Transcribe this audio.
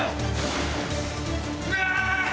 うわ！